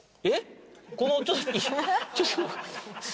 えっ？